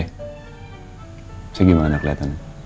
hmm eh saya gimana keliatan